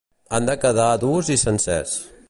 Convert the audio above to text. Han de quedar durs i sencers.